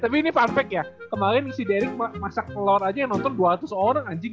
tapi ini fun fact ya kemarin si derek masak telor aja yang nonton dua ratus orang anjing